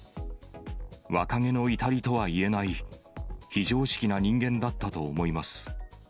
若気の至りとはいえない、非常識な人間だったと思います。